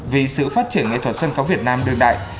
vì sự phát triển nghệ thuật sân khấu việt nam đương đại